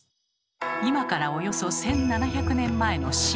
今からおよそ１，７００年前の晋。